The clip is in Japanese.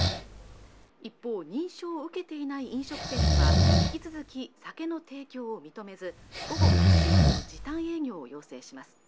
一方認証を受けていない飲食店には引き続き酒の提供を認めず午後８時までの時短営業を要請します